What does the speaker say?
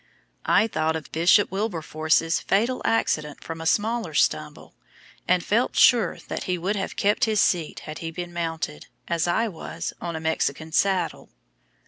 I thought of Bishop Wilberforce's fatal accident from a smaller stumble, and felt sure that he would have kept his seat had he been mounted, as I was, on a Mexican saddle.